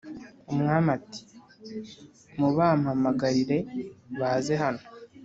umwami ati"mubampamagarire baze hano"